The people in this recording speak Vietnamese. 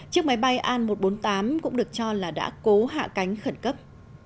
chiếc máy bay an một trăm bốn mươi tám cũng được cho là đã cố hạ cánh khẩn cấp